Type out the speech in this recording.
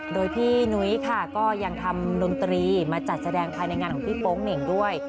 โดยพี่นุ้ยค่ะก็ยังทำดนตรีมาจัดแสดงภายในงานของพี่โป๊งเหน่งด้วย